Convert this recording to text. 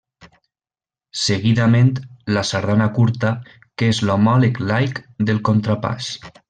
Seguidament, la Sardana Curta, que és l'homòleg laic del contrapàs.